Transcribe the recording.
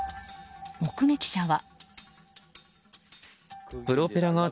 目撃者は。